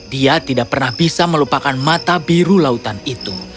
dia tidak pernah bisa melupakan mata biru lautan itu